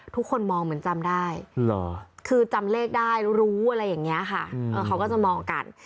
ทุกคนมองเหมือนจำได้คือจำเลขได้รู้อะไรอย่างนี้ค่ะเขาก็จะมองกัน